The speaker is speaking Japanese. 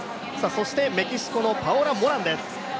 そしてメキシコのパオラ・モランです。